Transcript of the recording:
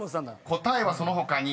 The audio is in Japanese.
［答えはその他に］